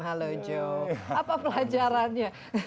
halo joe apa pelajarannya